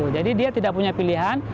jadi dia tidak punya pilihan